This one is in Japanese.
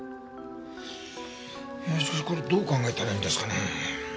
いやしかしこれどう考えたらいいんですかね？